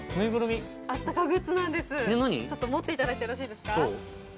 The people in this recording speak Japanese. ちょっと持っていただいてよろしいですか？